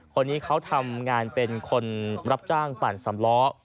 คนนี้เขาทำงานเป็นคนรับจ้างปั่นสำล้อ